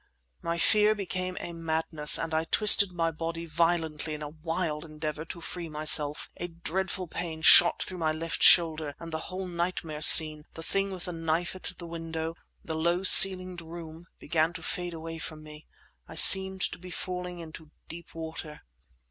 My fear became a madness, and I twisted my body violently in a wild endeavour to free myself. A dreadful pain shot through my left shoulder, and the whole nightmare scene—the thing with the knife at the window—the low ceiled room began to fade away from me. I seemed to be falling into deep water.